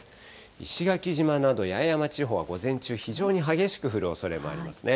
石垣島など八重山地方は午前中、非常に激しく降るおそれもありますね。